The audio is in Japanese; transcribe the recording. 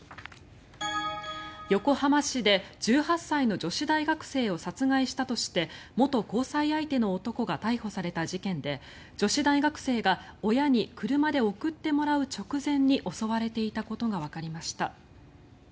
横浜市で１８歳の女子大学生を殺害したとして元交際相手の男が逮捕された事件で女子大学生が親に車で送ってもらう直前に襲われていたことがわかりました。